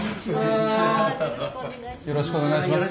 よろしくお願いします。